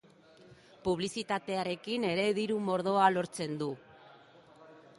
Publizitatearekin ere diru mordoa lortzen du.